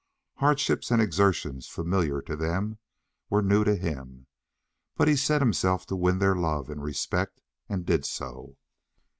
Hardships and exertions familiar to them were new to him, but he set himself to win their love and respect, and did so.